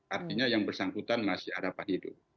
artinya yang bersangkutan masih ada apa hidup